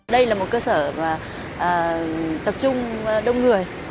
đây là một cơ sở tập trung đông người